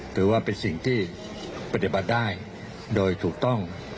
ถือว่าเป็นสิ่งที่ปฏิบัติได้โดยถูกต้อง